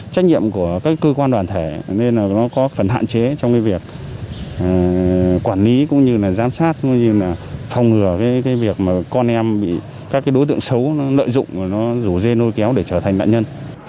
trách nhiệm của các cơ quan đoàn thể nên là nó có phần hạn chế trong cái việc quản lý cũng như là giám sát cũng như là phòng ngừa cái việc mà con em bị các đối tượng xấu nó lợi dụng và nó rủ dê lôi kéo để trở thành nạn nhân